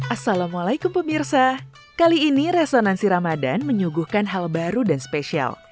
assalamualaikum pemirsa kali ini resonansi ramadan menyuguhkan hal baru dan spesial